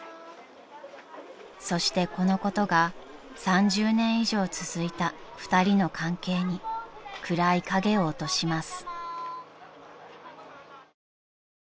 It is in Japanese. ［そしてこのことが３０年以上続いた２人の関係に暗い影を落とします］